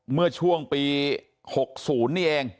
เมื่อช่วงปี๖๐นี่เอง